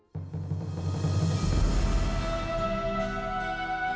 kau gangup ayam